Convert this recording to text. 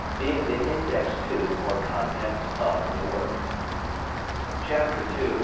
BEING THE INDEX TO OR CONTENTS OF THE WORK. Chapter II.